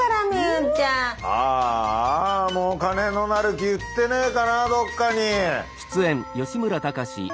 ああもうお金のなる木売ってねぇかなぁどっかに。